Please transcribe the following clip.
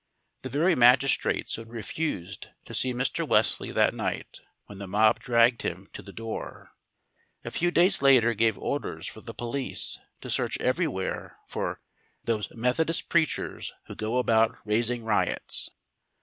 The very magistrates who had refused to see Mr. Wesley that night when the mob dragged him to the door, a few days later gave orders for the police to search everywhere for "those Methodist preachers who go about raising riots."